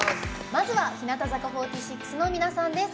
まずは日向坂４６の皆さんです。